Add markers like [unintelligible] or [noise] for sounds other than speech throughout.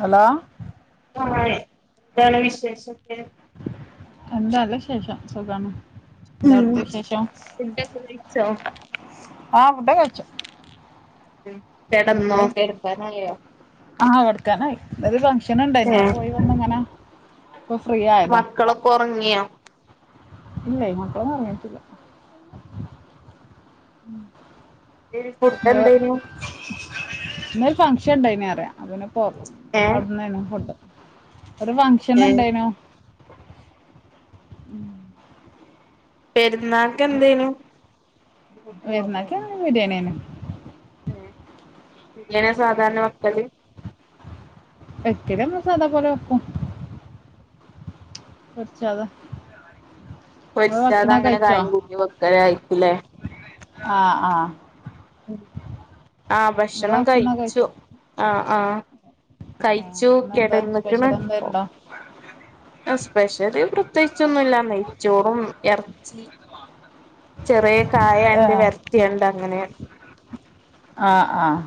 Hello ആഹ് എന്താണ് വിശേഷോക്കെ എന്താ ല്ലശേഷം സുഖാണ് എന്താ ഉം അവിടുത്തെ വിശേഷം ഫുഡോക്കെ കഴിച്ചോ? ആഹ് ഫുഡോക്കെ കഴിച്ച്. ഉം. കിടന്നോ കിടക്കാറായോ? [unintelligible] ഫങ്ക്ഷ ണിണ്ടായിന്ന് പോയി വന്ന് ഇങ്ങനെ ഇപ്പൊ ഫ്രീ ആയതാ. ങ്ങിയോ? ഇല്ല മക്കളൊന്നും ഉറങ്ങിട്ടില്ല. ഉം. ഫുഡ് ആഹ് എന്തേനു ഇന്നൊരു ഫംഗഷൻ ഉണ്ടായിനി അറിയാം അന്നെ പുറ ഏഹ് അവിടന്ന് ആയിരുന്നു ഫുഡ്. ഒരു ഫങ്ങ്ഷൻ ഏഹ് ഇണ്ടായിനു. ഉം. പേ ന്നാക്ക് എന്തേനു? പേരുന്നാക്കെ ബിരിയാണിയെന്. ഉം ബിരിയാണിയാ സാധാരണ വെക്കല്? വെക്കൽ സാദാ പോലെ വെക്കും. പൊര്ച്ചതാ പൊരിച്ചത ഇങ്ങനെ കായം കൂട്ടി വെക്കലായിരിക്കുലേ ആഹ് ആഹ്. ആഹ് നിങ്ങള് ഭക്ഷണം ഭക്ഷണമൊക്കെ കഴിച്ചു കഴിച്ചോ ആഹ്. ആഹ് ആ കഴിച്ചു ഇന്നെന്താ കെടന്ന്ക്ക്ണ് സ്പെഷ്യൽ എന്താ പ്പോ ഉണ്ടോ സ്പെഷ്യല് പ്രത്യേകിച്ചൊന്നുല്ല നെയ്ച്ചോറും ഇറച്ചി ചെറിയ ഏ കായണ്ട് വര്ട്യണ്ട് അങ്ങനെ ആഹ് ആഹ്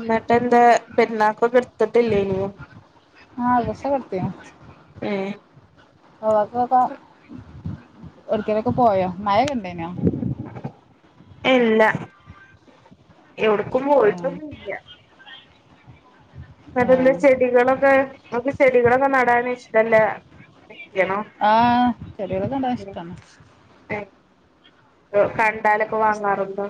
ന്ന്ട്ട് ന്തെ പേർന്നാകോ കട് ട്ത്തിട്ട് ല്ലേയ്നോ ആഹ് ഡ്രസ്സൊക്കെ [unintelligible] ഒടുക്കലൊക്കെ പോയോ മഴ ഇണ്ടനോ ഇല്ല എവിട്ക്കും ആഹ് പോയിട്ടൊന്നും ഇല്ല ആഹ് [unintelligible] ചെടികളൊക്കെ ങ്ങക്ക് ചെടികളൊക്കെ നടാൻ ഇഷ്ട്ടല്ലേ ആഹ് ചെടികളൊക്കെ നടാൻ ഇഷ്ടാണ് ഏഹ് കണ്ടാലൊക്കെ അങ്ങനെ വാങ്ങാറുണ്ടോ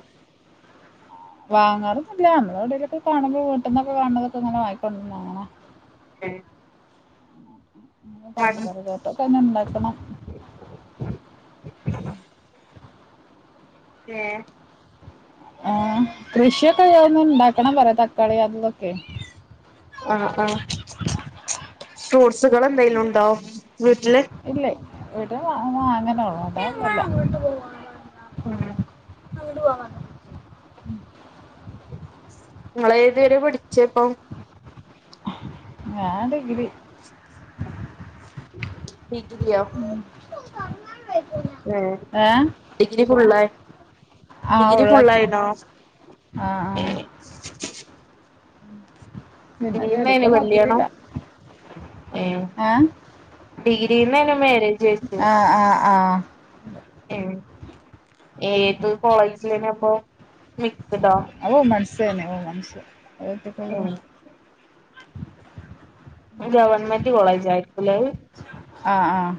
ഇല്ല നമ്മളവിടെവെടെക്കെ കാണുമ്പോ വീട്ട്ന്നൊക്കെ കാണുന്നതൊക്കെങ്ങനെ വാങ്ങിക്കൊണ്ടര്ണത് കാണാ [inaudible] മട് പച്ചക്കറി തോട്ടൊക്കെ ഞ്ഞി ണ്ടാക്കണം ഏ ആ കൃഷിയൊക്കെ [unintelligible] ണ്ടാക്കണം പറയാ തക്കാളി അതൂതൊക്കെ ആ അ [unintelligible] സുകളെന്തേലും ണ്ടോ വീട്ടില് [unintelligible] ആഹ് [inaudible] [inaudible] നിങ്ങള് ഏതുവരെ പഠിച്ചപ്പം ഞാൻ ഡിഗ്രി ഡിഗ്രിയോ [inaudible] ഏഹ് ഡിഗ്രി ഫുള്ളാ ആഹ് ഉള്ളക്ക് ആ ആ ഡിഗ്രീന്നേനു കല്യാണം. നോക്കിട്ടില്ല ഏഹ് ഡിഗ്രീന്നേനു മാരേജ് ആഹ് [unintelligible] ആഹ് ആഹ് ഉം ഏത് കോളേജിലേനു അപ്പോ [unintelligible] ഞാൻ വുമൺസേനു വുമൺസ് ഏ [unintelligible] ഗവൺമെന്റ് കോളേജ് ആയിരിക്കൂല്ലെ അഹ് ആഹ് ആഹ്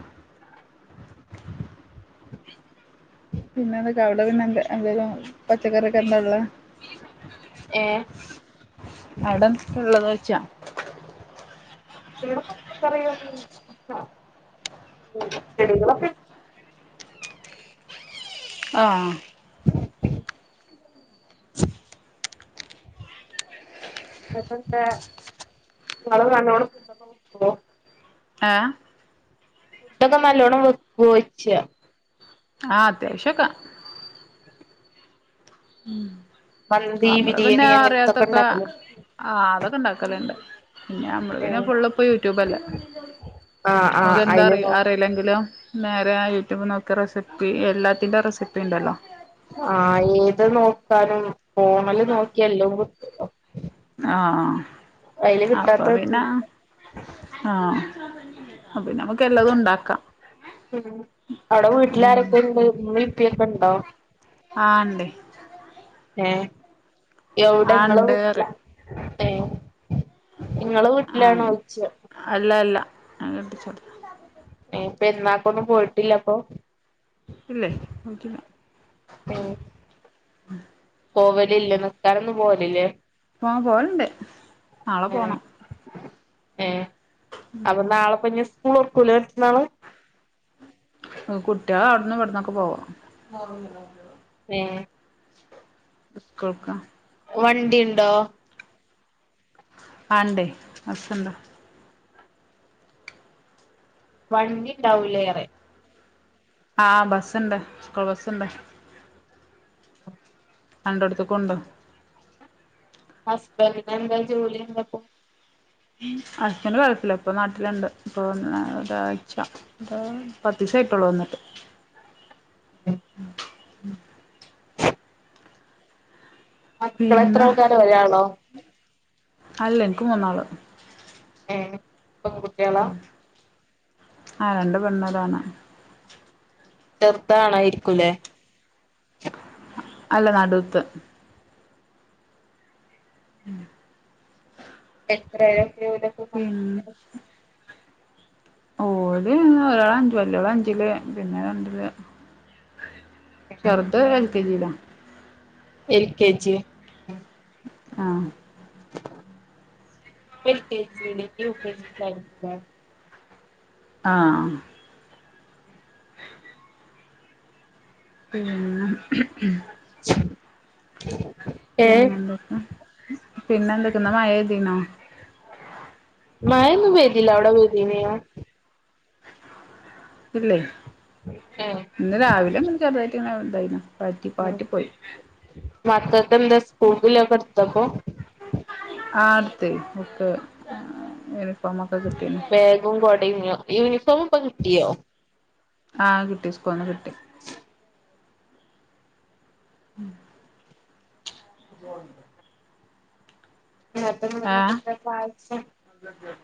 പിന്നെ എന്തൊക്കെ അവിടെ പിന്നെ എന്തെ എന്തേലും പച്ചക്കറി ഒക്കെ എന്താള്ളേ ഏ ആടേന്താട്ടാള്ളത് [unintelligible] [unintelligible] ചെടികളൊക്കേ ആഹ് അപ്പന്താ ങ്ങള് നല്ലോണം ഫുഡോക്കെ വെക്കോ ആഹ് ഫുഡൊക്കെ നല്ലോണ്ണം വെക്ക് വോ [unintelligible] ആ അത്യാവ്ശ്യൊക്കാ മന്തി നമ്മള് പിന്നെ ബിരിയാണി അങ്ങനത്തൊക്കെ അറിയാത്തോക്കെ ഇണ്ടാക്കല് ആ അതൊക്കെ ഉണ്ടാക്കല്ണ്ട്. പിന്നെ നമ്മള് ഏ പിന്നെ ഫുള്ള്പ്പോ യൂട്യൂബല്ലെ. ആ ആ നമ്മക്കെന്ത് അയില് നോ നമുക്കെന്തറീലെങ്കിലും നേരെ യൂട്യൂബ് നോക്കി റെസിപ്പി എല്ലാത്തിന്റെ റെസി ണ്ടല്ലോ. ആഹ് ഏത് നോക്കാനും. പോണല് നോക്കിയ എല്ലോ കിട്ടല്ലോ ആഹ് ഐല് അപ്പൊ കിട്ടാത്ത പിന്നെ [unintelligible] [unintelligible] എല്ലതും ഉണ്ടാക്കാം അവടെ വീട്ടിലാരൊക്കെണ്ട് ഇമ്മേയും? ഇപ്പക്കണ്ടോ? ആഹ് ഇണ്ടയ്. ഏഹ്? എവിടെങ്ങളെ ഇണ്ട് വീട്ടിലാ? പറയും ഇങ്ങളെ വീട്ടിലാണോയ്ച്ച. ആ കെട്ടിച്ചോട് പെര്ന്നാക്കൊന്നും പോയ്ട്ടില്ല പ്പോ? ഇല്ലേ പോയ്‌റ്റില്ല. ഏ പോവലില്ലേ നിക്കാനൊന്നും പോവലില്ലേ? ആഹ് പോവലണ്ട് നാളെ പോണം ഏഹ്. അപ്പൊ നാളെപ്പൊഞ്ഞ സ്‌കൂളോർക്കൂലെ മറ്റന്നാള് കുട്ടിയ അവിടന്ന് ഇവിടന്നൊക്കെ പോവാ. ഏ സ്കൾക്ക വണ്ടിണ്ടോ? ആണ്ടേ ഹസ്സിണ്ടോ വണ്ടിണ്ടാവൂലേറ ആഹ് ബസ്സുണ്ട് സ്കൂൾ ബസ്സുണ്ട് കണ്ടടുത്ത് കൊണ്ടോ ഹസ്ബന്റിന് എന്താ ജോലി എന്താ പോ? ഹസ്ബന്റ് ഗൾഫില ഇപ്പൊ നാട്ടിലുണ്ട് ഇപ്പ വന്ന ഒരാഴ്ച പത്തീസം ആയിട്ടുള്ളു വന്നിട്ട് ഉം ഉം മക്കള് എത്ര പിന്നെ ആൾക്കാരാ ഒരാളോ? അല്ല എനിക്ക് മൂന്നാള് ഏഹ് പെൺകുട്ട്യാള ആ രണ്ട് പെണ്ണും ഒരാണും ചെറുതാണായിരിക്കൂലെ അല്ല നടുത്തെ ഉം എത്രയ പിന്നെ ഓല് ഒരാള് അഞ്ചിൽ വല്ല്യ ൾ അഞ്ചില് പിന്നെ രണ്ടില് ചേർത് [unintelligible] എൽ കെ ജി ആഹ് എൽ കെ ജി ൽ [unintelligible] ആഹ് [unintelligible] ഉം ഉം ഏ പിന്നെ എന്തൊകെ പിന്നെ എന്തൊകെ ന്ന് മഴ പെയ്തീനോ മഴൊന്നും പെയ്തില്ല [unintelligible] ഇല്ലേ ഏഹ് ഇന്ന് രാവിലെ മ [unintelligible] തായിന പട്ടി പാട്ടി പോയി മാത്ത്. ഇതെന്താ സ്‌കൂല്ക് ഉള്ളോ എടുത്തപ്പോ തൈഫക്കെ ഏക [unintelligible] ബാഗും കോടയും [unintelligible] യൂണിഫോ ഫോൺ ഇപ്പം കിട്ടിയോ ആ കി റിസ്കോണ കിട്ടി ഉം [unintelligible] നേരത്തെ ഏഹ് [unintelligible] ആവശ്യം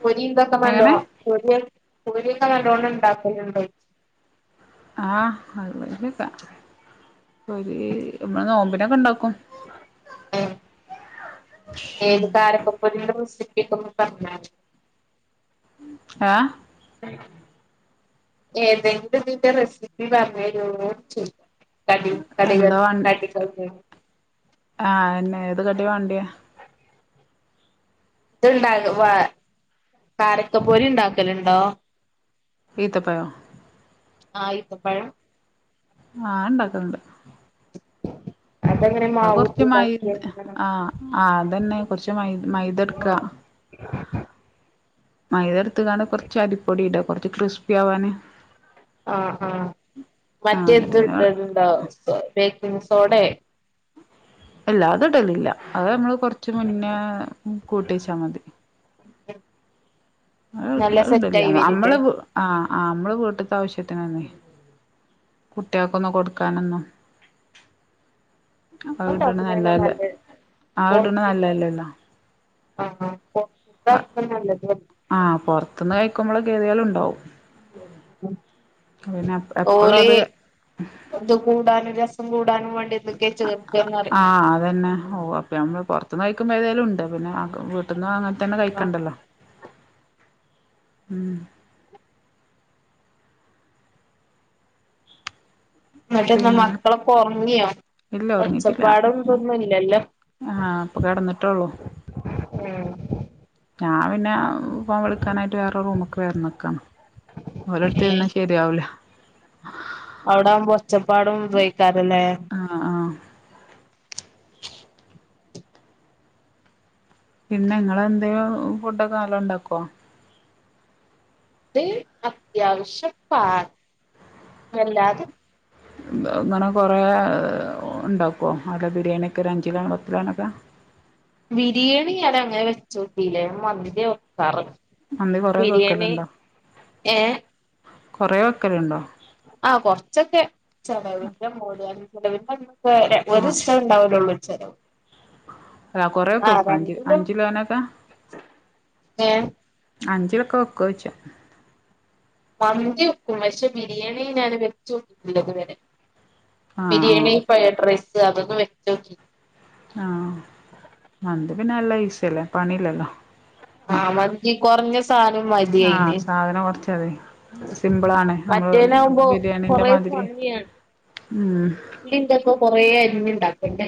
പൊരി എന്തൊക്കമല്ലോ എങ്ങനെ പൊരി പൊരിക്കെ നല്ലോണം ഉണ്ടാക്കലുണ്ടോ ആ അത് ഒരു കിസ പൊരി നോമ്പിനൊക്കെ ഉണ്ടാക്കും ഏത് കാരക്കപ്പൊതിടെ [unintelligible] ഇപ്പം ഒന്ന് പറഞ്ഞാല് ആ ഏതെങ്കിലും ഇതിന്റെ റെസിപ്പി പറഞ്ഞരോ ഒന്ന് ചോയിക്കാം എന്താവാ ആ ഇന്ന് ഏത് കട്ടിയ വൻഡയ് വേണ്ടിയേ ഇത്ണ്ടവാ കാരക്ക പോരി ഉണ്ടാക്കലുണ്ടോ ഈത്തപ്പഴം ആ ഈത്തപ്പഴം ആ ഇണ്ടാക്കലുണ്ട് അതങ്ങനെ അ കൊറച്ച് മൈദ മാവൂട്ടിതാക്കിയ ആ ആ തന്നെ കൊറച്ച് മൈ മൈദ എടുക്കാ മൈദ എടുത്ത്കാണ്ട് കുറച്ച് അരിപ്പൊടി ഇടുക കുറച്ച് ക്രിസ് - യാവാന [unintelligible] ആഹ് ആ എന്നിട്ട് മറ്റെത് പിന്നെ വെ ഇടലുണ്ടാകും സോറി ബേക്കിംങ് സോഡേ അല്ല അത് ഇടല്ലില്ല അത് നമ്മള് - കൊറച്ച് മുന്നേ കൂട്ടിച്ചാൽ മതി [inaudible] അഹ് നല്ല അത് ഇടല്ലില്ല്യാ സെറ്റായി നമ്മള് വരില്ലേ ആ ആ നമ്മള് വീട്ട്ത്തെ ആവിശ്യത്തിന് ആണേ കുട്ടികക്കൊന്നും കൊടുക്കാനൊന്നും- ആത് ഇട്ണ് ഇപ്പണ്ടാക്കുന്നതിന് നല്ലയല്ലേ നല്ല ആ ഇട്ണ് പൊറത്ത് നല്ലയല്ലല്ലോ ആഹ് ആഹ് ആ പുറത്തൂന്ന് കഴിക്കുമ്പോളെ [unintelligible] ണ്ടാവും എപ്പളും ഓലെ അത് ഇത് കൂടാന രസ- [inaudible] ആ അത് തന്നെ ഓ അപ്പ നമ്മള് പുറത്തു നിന്ന് കഴിക്കുമ്പോ ഏതേലും ഉണ്ട് പിന്നെ വീട്ടന്ന് അങ്ങനെ തന്നെ കഴിക്കണ്ടല്ലോ ഉം എന്നിട്ട്ന്ന് പിന്നെ മക്കളൊക്കെ ഒറങ്ങിയോ ഇല്ല ഉറങ്ങീട്ടില്ല ഒച്ചപ്പാടും ഇതൊന്നും ഇല്ലല്ലോ ആ ഇപ്പൊ കിടന്നിട്ടേയുള്ളു ഞാൻ പിന്നെ ഫോൺ വിളിക്കാനായിട്ട് വേറെ റൂമൊക്കെ വേറെ നിക്കാണ് ഓരടുത്ത് നിന്നാ ശരിയാവില്ല [inaudible] അവിടാവുമ്പോ പച്ചപ്പാടും ഉപയോഗിക്കാറല്ലേ ആഹ് ആഹ് പിന്നെ നിങ്ങളന്തോ ഫുഡൊക്കെ നല്ല ഉണ്ടാക്കോ ഫുഡ് അത്യാവശ്യം [unintelligible] അങ്ങനെ കൊറേ ഉണ്ടാക്കുവോ അല്ല ബിരിയാണിയൊക്കെ ഒരു അഞ്ച് കിലോ പത്ത് കിലോണൊക്കെ ബിരിയാണി അടെ അങ്ങനെ വെച്ച് നോക്കിയില്ല ഞാൻ മന്തിയാ വെക്കാറ് മന്തി കൊറേ ബിരിയാണി വെക്കലുണ്ടോ ഏ കുറേ ആ കൊറച്ചൊക്കെ ചെലവിന്റെ [unintelligible] ചെലവി [unintelligible] [unintelligible] ഒരു ദിവസവേ ഉണ്ടാവലുള്ളൂ ചിലവ് അതാ കൊറ വെക്കും അഞ്ച് അഞ്ചിലോനക്കെ ഏ അഞ്ചിലൊക്കെ വെകോ ച്ചാ വന്തി വെക്കും പക്ഷെ ബിരിയാണി ഞാൻ വെച്ച നോക്കിട്ടില്ല ഇതുവരെ ആഹ് ബിരിയാണി ഫ്രൈഡ് റൈസ് [unintelligible] ആ മന്തി പിന്നെ നല്ല ഈസല്ലേ പണില്ലല്ലോ ആ മന്തി കുറഞ്ഞ സാനം ആഹ് മതിയയിന് സാധനം കൊറച്ചതി സിമ്പിളാണ് നമ്മള് മറ്റേനാവുമ്പോ കൊറ ബിരിയാണീന്റെ മാതിരി ഭംഗിയാണ് ഉം ന്റെ ഒക്കെ കൊറേ അരീഞ്ഞണ്ടാക്ക എൻ്റെ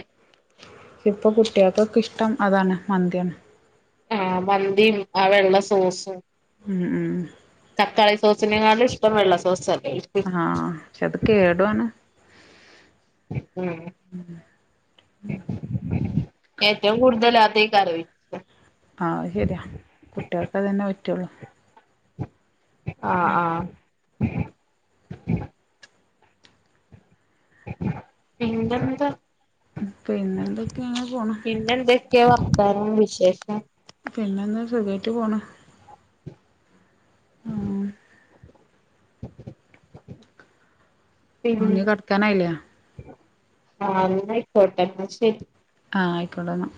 ഇപ്പൊ കുട്ടികൾക്കൊക്കെ ഇഷ്ടം അതാണ് മന്തിയാണ് ആ മന്തിയും ആ വെള്ള സോസും ഉം ഉം [unintelligible] ഇഷ്ടം വെള്ള സോസാ ആഹ് ശ് ത് കേടു ആണ് ഉം ഉം ഉം ഏറ്റവും കൂടുതൽ അതൈക്കാരെ ആഹ് ശരിയാ കുട്ടിയാക്ക് അതന്നെ പ റ്റുള്ളു. ആഹ് ആഹ്. പിന്നെ എന്താ പിന്നെ എന്തൊക്കെ ഇങ്ങനെ പോണം. എന്തായിരുന്നു വിശേഷം. പിന്നെ ഒന്ന് സുഖ ആയിറ്റ് പോണ് ആഹ്. പിന്നെ അഞ്ഞീ കടക്കാനായില്ലെ? ആഹ് എന്നാ ആയിക്കോട്ടെ എന്നാ ശെരി. ആ ആയിക്കോട്ടെ എന്നാ.